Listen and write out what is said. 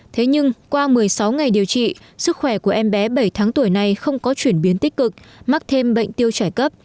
thế nhưng qua một mươi sáu ngày điều trị sức khỏe của em bé bảy tháng tuổi này không có chuyển biến tích cực mắc thêm bệnh tiêu chảy cấp